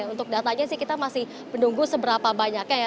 untuk datanya sih kita masih menunggu seberapa banyaknya ya